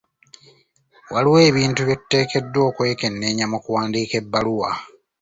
Waliwo ebintu bye tuteekeddwa okwekenneenya mu kuwandiika ebbaluwa.